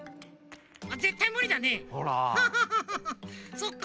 そっか。